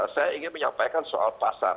saya ingin menyampaikan soal pasar